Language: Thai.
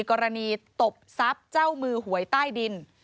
ตบทรัพย์เจ้ามือหวยใต้ดิน